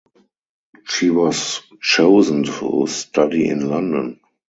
She was chosen to study in London.